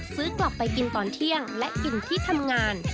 ซื้อกลับไปกินตอนเที่ยงและกินที่ทำงาน